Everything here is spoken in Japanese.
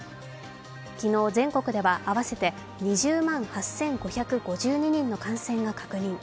昨日、全国では合わせて２０万８５５２人の感染が確認。